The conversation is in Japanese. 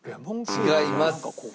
違います。